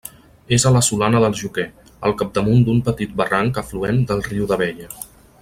És a la Solana del Joquer, al capdamunt d'un petit barranc afluent del riu d'Abella.